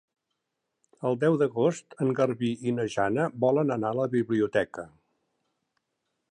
El deu d'agost en Garbí i na Jana volen anar a la biblioteca.